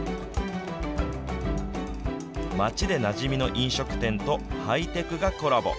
街でなじみの飲食店とハイテクがコラボ。